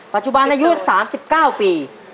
ปัจจุบันอายุสามสิบเก้าปี